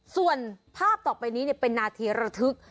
ส่วนภาพต่อไปนี้เป็นนาทีระทึก